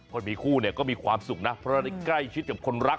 คนมีคู่เนี่ยก็มีความสุขนะเพราะได้ใกล้ชิดกับคนรัก